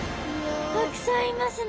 たくさんいますね。